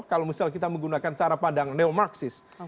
kalau misal kita menggunakan cara pandang neo marxist